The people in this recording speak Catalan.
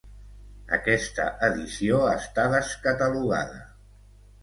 Aquesta edició està descatalogada.